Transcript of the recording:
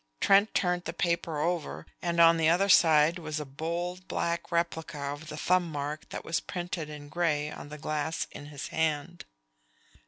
Trent turned the paper over, and on the other side was a bold black replica of the thumb mark that was printed in gray on the glass in his hand.